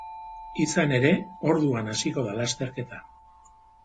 Izan ere, orduan hasiko da lasterketa.